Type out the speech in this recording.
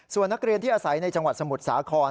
ส่วนนักเรียนที่อาศัยในจังหวัดสมุทรสาคร